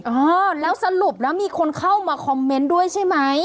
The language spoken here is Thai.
เออแล้วสรุปแล้วมีคนเข้ามาคอมเมนต์ด้วยใช่ไหม